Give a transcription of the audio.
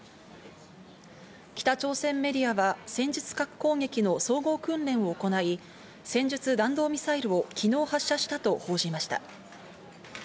北朝鮮メディアは戦術核攻撃の総合訓練を行い、戦術弾道ミサイルを昨日、発射したと報じました。